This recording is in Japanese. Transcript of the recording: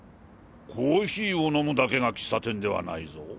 コーヒーを飲むだけが喫茶店ではないぞ。